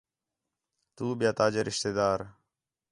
تُو ٻِیا تاجے رشتہ دار